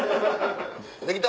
できた！